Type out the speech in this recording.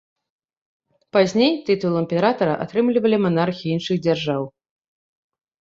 Пазней тытул імператара атрымлівалі манархі іншых дзяржаў.